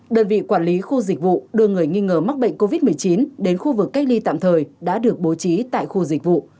đơn vị quản lý khu dịch vụ đưa người nghi ngờ mắc bệnh covid một mươi chín đến khu vực cách ly tạm thời đã được bố trí tại khu dịch vụ